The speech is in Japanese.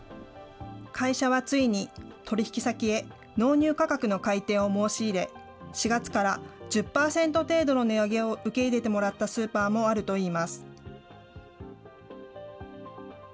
会社はついに、取り引き先へ納入価格の改定を申し入れ、４月から１０％程度の値上げを受け入れてもらったスーパーもあるといいます。